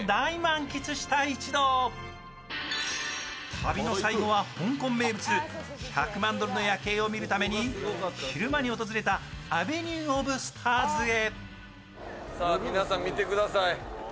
旅の最後は香港名物、百万ドルの夜景を見るために昼間に訪れたアベニュー・オブ・スターズへ。